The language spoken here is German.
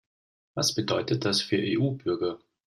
Was bedeutet das für EU-Bürger?